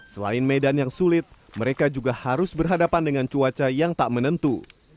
selain medan yang sulit mereka juga harus berhadapan dengan cuaca yang tak menentu